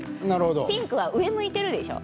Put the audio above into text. ピンクは上を向いているでしょう。